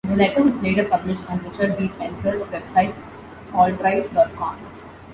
The letter was later published on Richard B. Spencer's website AltRight dot com.